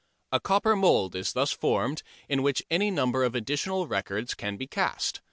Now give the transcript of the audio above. A copper mould is thus formed in which any number of additional records can be cast.